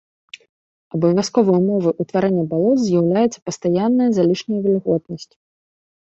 Абавязковай умовай утварэння балот з'яўляецца пастаянная залішняя вільготнасць.